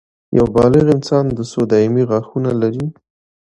یو بالغ انسان څو دایمي غاښونه لري